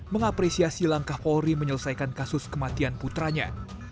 mengapresiasi langkah polri menyelesaikan kasus kematian putranya